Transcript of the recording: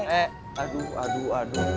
eh eh aduh aduh aduh